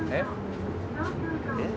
えっ？